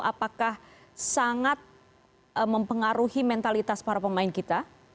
apakah sangat mempengaruhi mentalitas para pemain kita